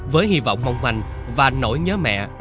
với hy vọng mong manh và nỗi nhớ mẹ